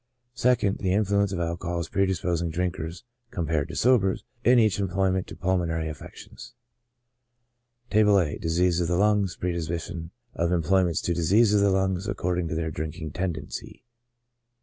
2nd. The influence of alcohol as predisposing drinkers (compared to sobers) in each employment to pulmonary affections. Table A. — Diseases of the Lungs — Predisposition of Employ^ ments to Diseases of the Lungs^ according to their Drinking tendency. Indices of drinking tendency.